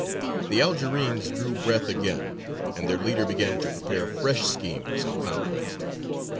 The Algerines drew breath again, and their leader began to prepare fresh schemes of conquest.